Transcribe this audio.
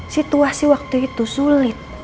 situasi waktu itu sulit